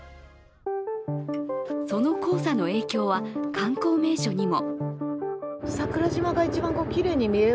その黄砂の影響は観光名所にも。